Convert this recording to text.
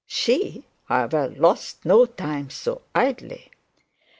She, however, lost no time so idly.